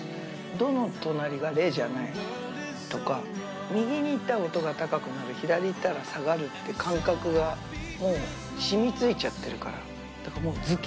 ドの隣がレじゃないとか、右にいったら音が高くなる、左いったら下がるっていう感覚が、もう、しみついちゃってるから、図形？